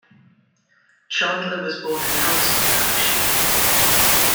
Chandler was born in Elson, Hampshire.